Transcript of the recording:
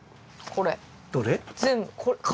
これ？